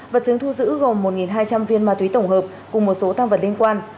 vật chứng thu giữ gồm một hai trăm linh viên ma túy tổng hợp cùng một số tăng vật liên quan